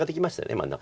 真ん中に。